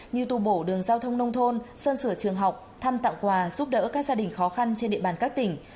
như tu bổ đường giao thông nông thôn sơn sửa trường học thăm tặng quà giúp đỡ các gia đình khó khăn trên địa bàn các tỉnh